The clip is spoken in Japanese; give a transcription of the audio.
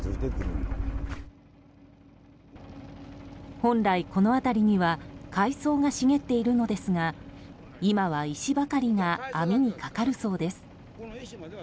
本来この辺りには海藻が茂っているのですが今は石ばかりが網にかかるそうです。